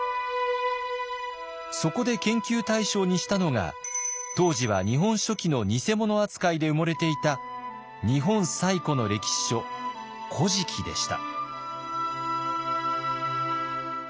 そこで研究対象にしたのが当時は「日本書紀」の偽物扱いで埋もれていた日本最古の歴史書「古事記」でした。